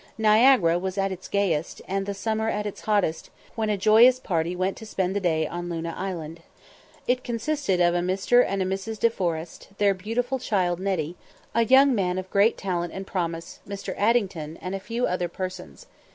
Niagara was at its gayest, and the summer at its hottest, when a joyous party went to spend the day on Luna Island. It consisted of a Mr. and Mrs. De Forest, their beautiful child "Nettie," a young man of great talent and promise, Mr. Addington, and a few other persons.